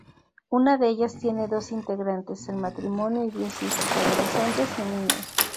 Una de ellas tiene doce integrantes: el matrimonio y diez hijos, adolescentes y niños.